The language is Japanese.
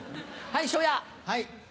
はい。